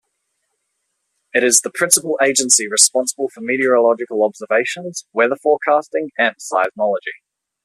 It is the principal agency responsible for meteorological observations, weather forecasting and seismology.